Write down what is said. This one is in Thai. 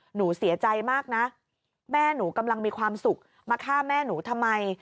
หนูเสียใจมากนะแม่หนูกำลังมีความสุขมาฆ่าแม่หนูทำไม